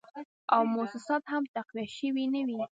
او موسسات هم تقویه شوي نه وې